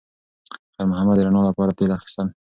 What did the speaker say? خیر محمد د رڼا لپاره تېل اخیستل.